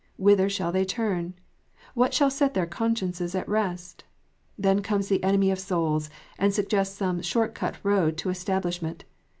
Whither shall they turn 1 What shall set their consciences at rest ? Then comes the enemy of souls, and suggests some short cut road to estab lishment.